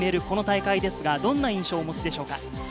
この大会ですが、どんな印象をお持ちでしょうか？